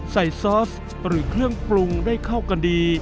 ซอสหรือเครื่องปรุงได้เข้ากันดี